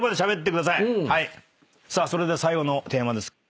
さあそれでは最後のテーマです。